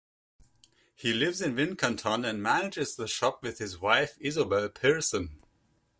He lives in Wincanton and manages the shop with his wife, Isobel Pearson.